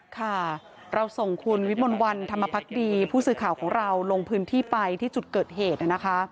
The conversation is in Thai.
ค่ะเราส่งคุณวิมลวันธรรมพักดีผู้สื่อข่าวของเราลงพื้นที่ไปที่จุดเกิดเหตุนะคะ